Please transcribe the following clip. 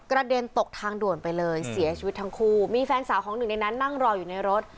เด็นตกทางด่วนไปเลยเสียชีวิตทั้งคู่มีแฟนสาวของหนึ่งในนั้นนั่งรออยู่ในรถ